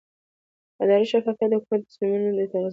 اداري شفافیت د حکومت د تصمیمونو د اغیزمنتیا لپاره مهم دی